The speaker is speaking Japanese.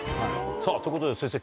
さぁということで先生